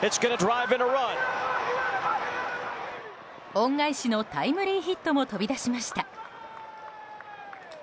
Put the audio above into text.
恩返しのタイムリーヒットも飛び出しました。